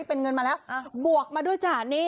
เป็นเงินมาแล้วบวกมาด้วยจ้ะนี่